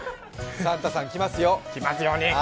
サンタさん来ますよ。